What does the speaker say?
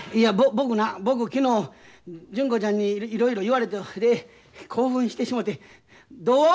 僕な僕昨日純子ちゃんにいろいろ言われてほいで興奮してしもて童話を一本書いたんや。